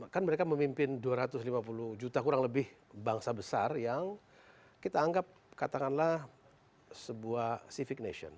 kan mereka memimpin dua ratus lima puluh juta kurang lebih bangsa besar yang kita anggap katakanlah sebuah civic nation